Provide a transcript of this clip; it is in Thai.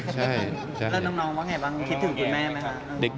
แล้วน้องว่าอย่างไรบ้างคิดถึงคุณแม่ไหมครับ